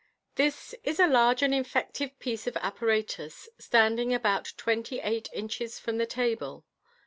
— This is a large and effective piece of apparatus, standing about twenty eight inches from the table.